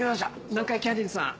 南海キャンディーズさん。